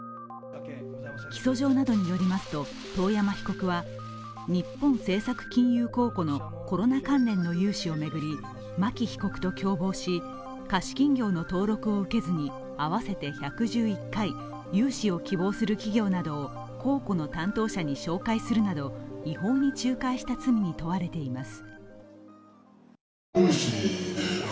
起訴状などによりますと、遠山被告は日本政策金融公庫のコロナ関連の融資を巡り牧被告と共謀し、貸金業の登録を受けずに合わせて１１１回、融資を希望する企業などを公庫の担当者に紹介するなど違法に仲介した罪に問われています。